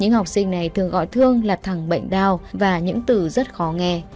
những học sinh này thường gọi thương là thẳng bệnh đau và những từ rất khó nghe